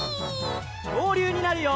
きょうりゅうになるよ！